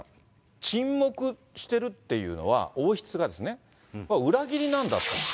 沈黙してるっていうのは、王室がですね、裏切りなんだと。